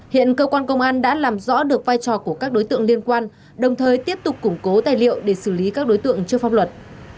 hiện cơ quan công an đã làm rõ được vai trò của các đối tượng liên quan đồng thời tiếp tục củng cố tài liệu để xử lý các đối tượng trước pháp luật